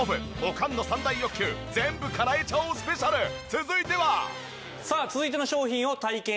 続いては。